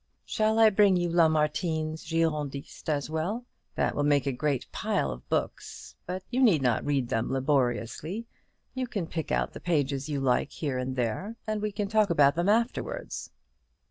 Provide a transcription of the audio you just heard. Shall I bring you Lamartine's 'Girondists' as well? That will make a great pile of books, but you need not read them laboriously; you can pick out the pages you like here and there, and we can talk about them afterwards."